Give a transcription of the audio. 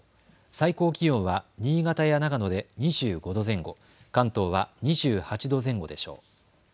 最高気温は新潟や長野で２５度前後、関東は２８度前後でしょう。